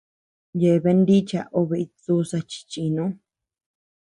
Yeaben nicha obe itduza chi chinu.